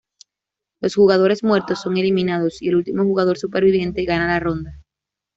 Los jugadores muertos son eliminados y el último jugador superviviente gana la ronda.